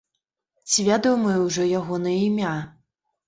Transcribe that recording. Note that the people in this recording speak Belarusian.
Ці вядомае ўжо ягонае імя?